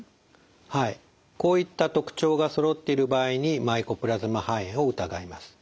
はいこういった特徴がそろっている場合にマイコプラズマ肺炎を疑います。